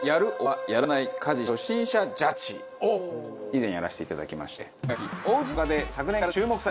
以前やらしていただきまして。